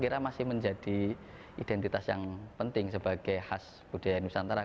saya masih menjadi identitas yang penting sebagai khas budaya nusantara